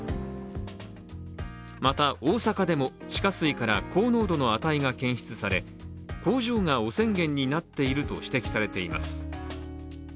また大阪でも地下水から高濃度の値が検出され、工場が汚染源になっていると指摘されています